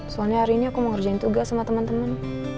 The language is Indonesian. soalnya hari ini aku mau ngerjain tugas sama teman teman